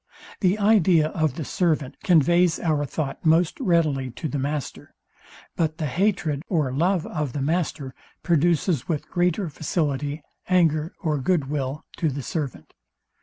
The idea of the servant conveys our thought most readily to the master; but the hatred or love of the master produces with greater facility anger or good will to the servant.